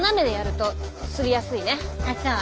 あっそう？